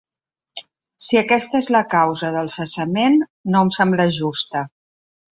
Si aquesta és la causa del cessament, no em sembla justa.